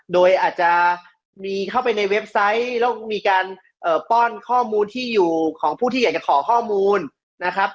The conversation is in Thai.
โดยอาจจะมีเข้าไปในเว็บไซต์แล้วมีการป้อนข้อมูลที่อยู่ของผู้ที่อยากจะขอข้อมูลนะครับ